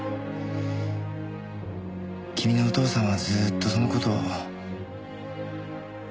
君のお父さんはずっとその事を後悔してた。